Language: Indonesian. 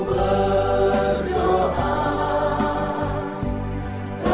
saya dihantuk dengan hater